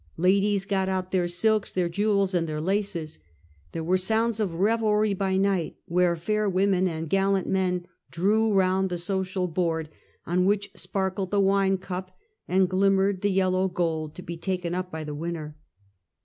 Ladies got out their silks, their jewels and their laces. There were sounds of revelry by night, where fair women and gallant men drew around the social board, on which sparkled the wine cup and glimmered the yellow gold, to be taken up by the winner.